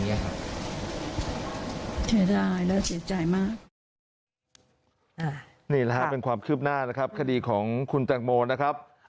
เสียดายแล้วเสียใจมาก